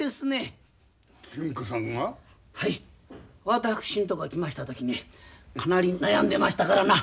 私のとこに来ました時ねかなり悩んでましたからな。